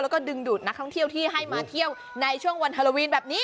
แล้วก็ดึงดูดนักท่องเที่ยวที่ให้มาเที่ยวในช่วงวันฮาโลวีนแบบนี้